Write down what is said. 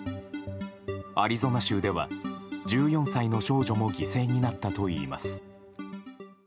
アリゾナ州では、１４歳の少女も犠牲になったといいます。